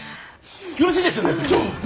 よろしいですよね部長。